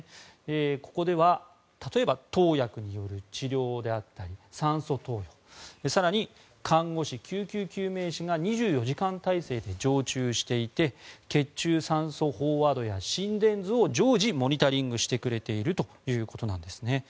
ここでは例えば投薬による治療であったり酸素投与更に看護師、救急救命士が２４時間体制で常駐していて血中酸素飽和度や心電図を常時、モニタリングしてくれているということなんです。